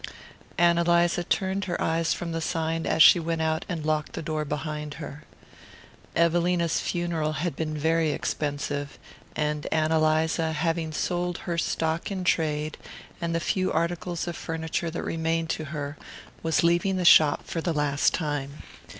Ann Eliza turned her eyes from the sign as she went out and locked the door behind her. Evelina's funeral had been very expensive, and Ann Eliza, having sold her stock in trade and the few articles of furniture that remained to her, was leaving the shop for the last time.